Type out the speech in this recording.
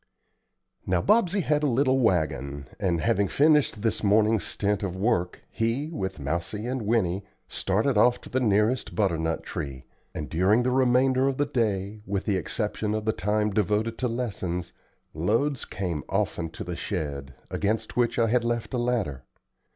Now Bobsey had a little wagon, and, having finished his morning stint of work, he, with Mousie and Winnie, started off to the nearest butternut tree; and during the remainder of the day, with the exception of the time devoted to lessons, loads came often to the shed, against which I had left a ladder.